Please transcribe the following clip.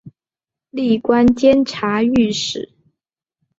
历官监察御史。